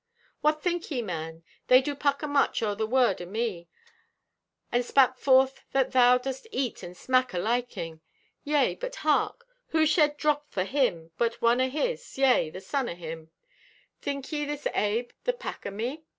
"What think ye, man? They do pucker much o'er the word o' me, and spat forth that thou dost eat and smack o' liking. Yea, but hark! Who shed drop for Him but one o' His, yea, the Son o' Him? Think ye this abe the pack o' me?